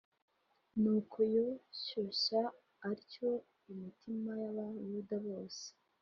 Nuko yoshyoshya atyo imitima y abayuda bose